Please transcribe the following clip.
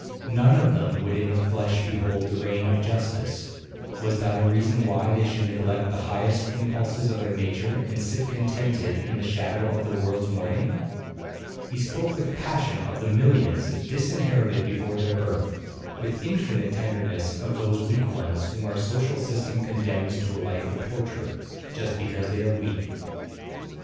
None of them would in the flesh behold the reign of justice; was that a reason why they should neglect the highest impulses of their nature and sit contented in the shadow of the world's mourning? He spoke with passion of the millions disinherited before their birth, with infinite tenderness of those weak ones whom our social system condemns to a life of torture, just because they are weak.